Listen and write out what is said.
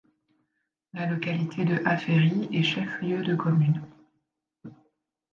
La localité de Afféry est chef-lieu de commune.